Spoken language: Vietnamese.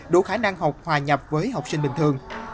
đủ khả năng học hòa nhập với học sinh bình thường